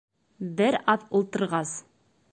Бер аҙ ултырғас: